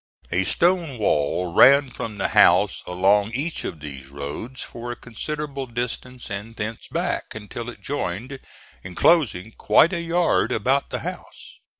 A stone wall ran from the house along each of these roads for a considerable distance and thence back until it joined, enclosing quite a yard about the house.